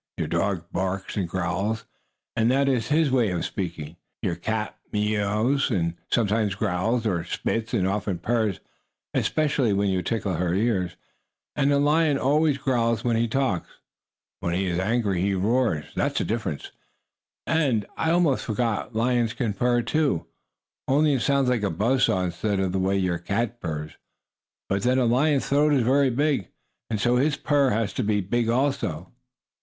Your dog barks and growls, and that is his way of speaking. Your cat mews and sometimes growls or "spits," and often purrs, especially when you tickle her ears. And a lion always growls when he talks. When he is angry he roars that's the difference. And, I almost forgot, lions can purr, too, only it sounds like a buzz saw instead of the way your cat purrs. But then a lion's throat is very big, and so his purr has to be big also.